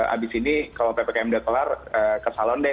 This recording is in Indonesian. abis ini kalau ppkm udah kelar ke salon deh